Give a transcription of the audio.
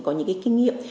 có những kinh nghiệm